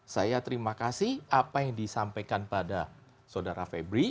saya terima kasih apa yang disampaikan pada saudara febri